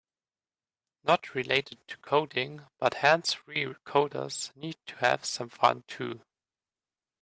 Not related to coding, but hands-free coders need to have some fun too.